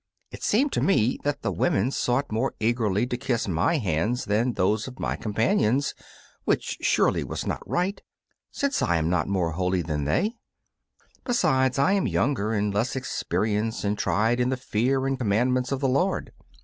It seemed to me that the women sought more eagerly to kiss my hands than those of my companions which surely was not right, since I am not more holy than they; besides, I am younger and less experienced and tried in the fear and commandments of the Lord.